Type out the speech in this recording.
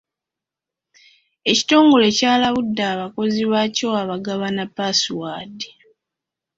Ekitongole kyalabudde abakozi baakyo abagabana paasiwaadi.